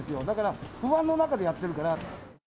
だから、不安の中でやってるから。